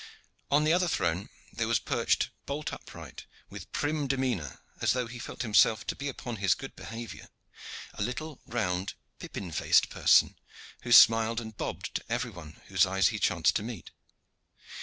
On the other throne there was perched bolt upright, with prim demeanor, as though he felt himself to be upon his good behavior, a little, round, pippin faced person, who smiled and bobbed to every one whose eye he chanced to meet.